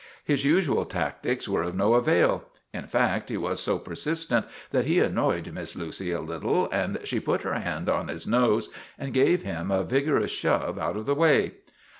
His usual tactics were of no avail; in fact, he was so per sistent that he annoyed Miss Lucy a little, and she put her hand on his nose and gave him a vigorous shove out of the way.